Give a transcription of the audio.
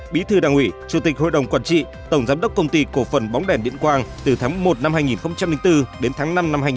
bí thư đảng ủy chủ tịch hội đồng quản trị tổng giám đốc công ty cổ phần bóng đèn điện quang từ tháng một năm hai nghìn bốn đến tháng năm năm hai nghìn một mươi ba